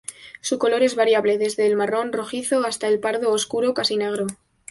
Su color es variable, desde el marrón rojizo hasta el pardo oscuro casi negro.